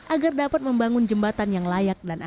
agar dapat membangun jembatan yang layak dan aman